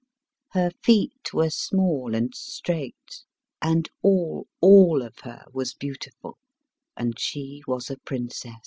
Her feet were small and straight, and all, all of her was beautiful, and she was a princess.